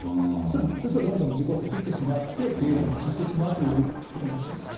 ですので、どんどん氏子減ってきてしまって、経営難に陥ってしまうということになってしまいます。